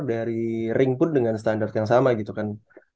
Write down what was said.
dari ring pun dengan standar yang sama gitu kan